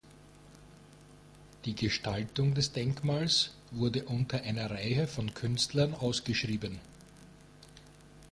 Die Gestaltung des Denkmals wurde unter einer Reihe von Künstlern ausgeschrieben.